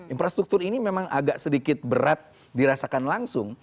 infrastruktur ini memang agak sedikit berat dirasakan langsung